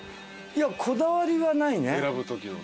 いやこだわりはないね。